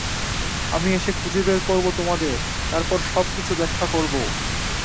আমি এসে খুঁজে বের করব তোমাদের, তারপর সবকিছু ব্যাখ্যা করব।